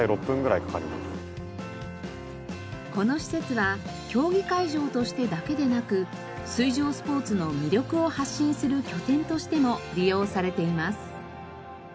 この施設は競技会場としてだけでなく水上スポーツの魅力を発信する拠点としても利用されています。